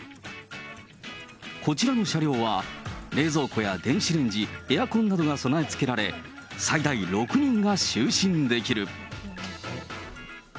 こちらの車両は、冷蔵庫や電子レンジ、エアコンなどが備え付けられ、最大６人が就寝できる。